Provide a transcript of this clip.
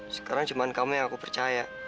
sekarang cuma kamu yang aku percaya